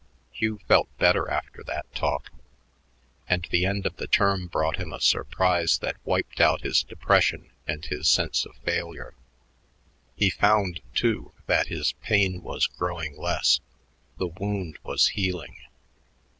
Hugh felt better after that talk, and the end of the term brought him a surprise that wiped out his depression and his sense of failure. He found, too, that his pain was growing less; the wound was healing.